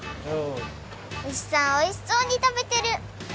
うしさんおいしそうに食べてる！